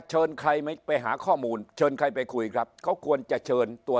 เชิญใครไปหาข้อมูลเชิญใครไปคุยครับเขาควรจะเชิญตัว